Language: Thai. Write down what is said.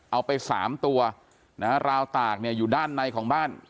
เอาไป๓ตัวราวตากอยู่ด้านในของบ้าน